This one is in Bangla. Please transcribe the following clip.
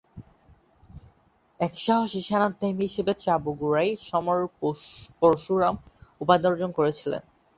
এক সাহসী সেনাধ্যক্ষ হিসেবে চাবুণ্ডরায় ‘সমর পরশুরাম’ উপাধি অর্জন করেছিলেন।